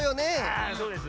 あそうです。